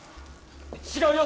違うよ